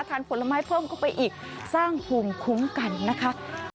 ผลไม้เพิ่มเข้าไปอีกสร้างภูมิคุ้มกันนะคะ